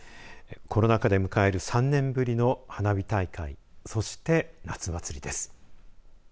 コロナ禍で迎える３年ぶりの花火大会そして、夏祭りです。